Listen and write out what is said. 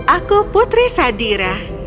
aku putri sadira